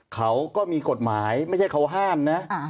เขาก็มีกฎหมายไม่ใช่เขาห้ามนะ